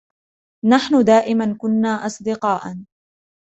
نحن دائماً كنّا أصدقاء